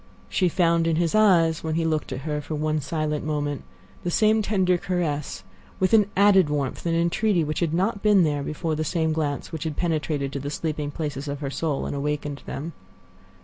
She found in his eyes, when he looked at her for one silent moment, the same tender caress, with an added warmth and entreaty which had not been there before—the same glance which had penetrated to the sleeping places of her soul and awakened them.